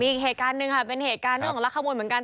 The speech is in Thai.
อีกเหตุการณ์หนึ่งค่ะเป็นเหตุการณ์เรื่องของรักขโมยเหมือนกัน